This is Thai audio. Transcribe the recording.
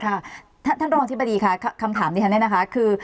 ค่ะท่านรองธิบดีค่ะคำถามนี้ท่านได้นะคะคือ